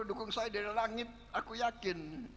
dukung saya dari langit aku yakin